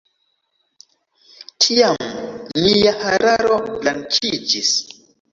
Tiam mia hararo blankiĝis.